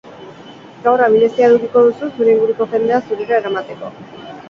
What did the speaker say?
Gaur abilezia edukiko duzu zure inguruko jendea zurera eramateko.